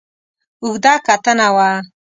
اوږده کتنه وه.